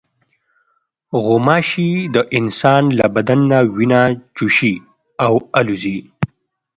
غوماشې د انسان له بدن نه وینه چوشي او الوزي.